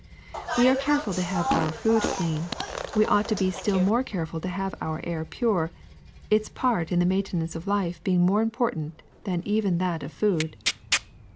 We are careful to have our food clean ; we ought to be still more careful to have our air pure, its part in the maintenance of life being more important than even that of food.